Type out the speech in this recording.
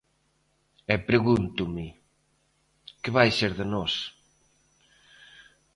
E pregúntome, que vai ser de nós?